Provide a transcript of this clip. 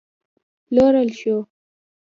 پلورل شو